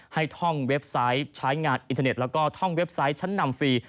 ท่องเว็บไซต์ใช้งานอินเทอร์เน็ตแล้วก็ท่องเว็บไซต์ชั้นนำฟรี